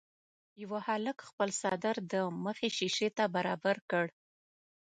یوه هلک خپل څادر د مخې شيشې ته برابر کړ.